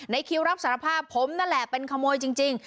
คิวรับสารภาพผมนั่นแหละเป็นขโมยจริง